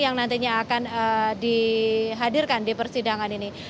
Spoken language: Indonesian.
yang nantinya akan dihadirkan di persidangan ini